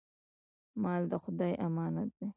مال د خدای امانت دی.